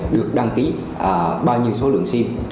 được đăng ký bao nhiêu số lượng sim